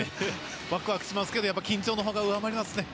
ワクワクしますけど緊張のほうが上回りますね。